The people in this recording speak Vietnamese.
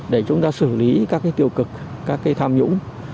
để chúng ta xử lý các cái tiêu cực các cái tham nhũng